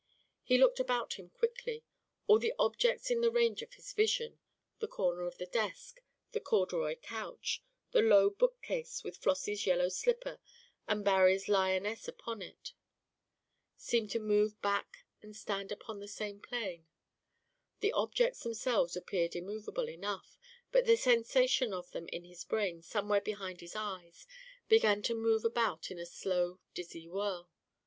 He looked about him quickly; all the objects in the range of his vision the corner of the desk, the corduroy couch, the low bookcase with Flossie's yellow slipper and Barye's lioness upon it seemed to move back and stand upon the same plane; the objects themselves appeared immovable enough, but the sensation of them in his brain somewhere behind his eyes began to move about in a slow, dizzy whirl.